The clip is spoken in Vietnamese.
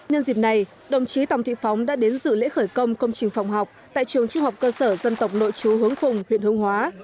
cùng ngày đồng chí tòng thị phóng đã đến thăm và trao quà tặng bà mẹ việt nam anh hùng hồ thị miết ở thôn mã lai xã hướng phùng huyện hương hóa